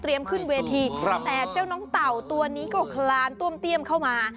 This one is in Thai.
ขึ้นเวทีแต่เจ้าน้องเต่าตัวนี้ก็คลานต้วมเตี้ยมเข้ามา